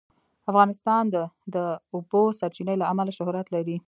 افغانستان د د اوبو سرچینې له امله شهرت لري.